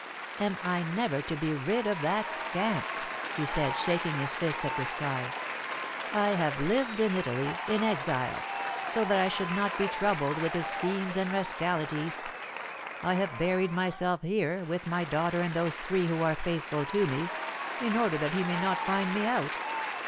"Am I never to be rid of that scamp?" he said, shaking his fist at the sky. "I have lived in Italy in exile, so that I should not be troubled with his schemes and rascalities. I have buried myself here, with my daughter and those three who are faithful to me, in order that he may not find me out.